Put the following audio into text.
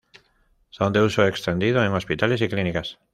Son de uso extendido en hospitales y clínicas.